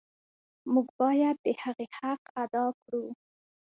موږ باید د هغې حق ادا کړو.